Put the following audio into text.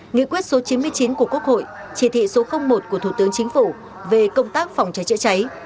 nghị quyết số chín mươi chín của quốc hội chỉ thị số một của thủ tướng chính phủ về công tác phòng cháy chữa cháy